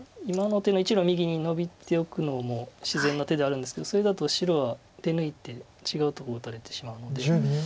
今の手の１路右にノビておくのも自然な手ではあるんですけどそれだと白は手抜いて違うとこ打たれてしまうので。